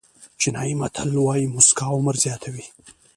چینایي متل وایي موسکا عمر زیاتوي.